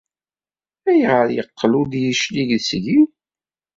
Ayɣer ay yeqqel ur d-yeclig seg-i?